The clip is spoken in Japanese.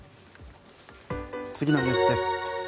次のニュースです。